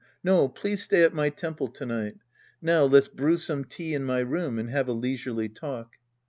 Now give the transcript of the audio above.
No, please stay at my temple to night. Now let's brew some tea in my room and have a leisurely talk.